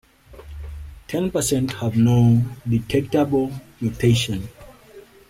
Ten percent have no detectable mutation.